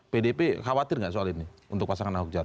pdp khawatir nggak soal ini untuk pasangan awok jarot